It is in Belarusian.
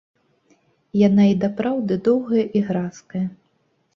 Яна і дапраўды доўгая і гразкая.